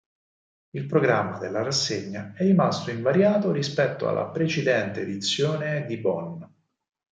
Il programma della rassegna è rimasto invariato rispetto alla precedente edizione di Bonn.